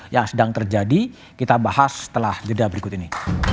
yang sedang terjadi kita bahas setelah jeda berikut ini